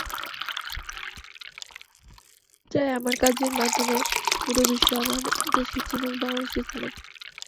চাই আমার কাজের মাধ্যমে পুরো বিশ্ব আমার দেশকে চিনুক, বাংলাদেশকে জানুক।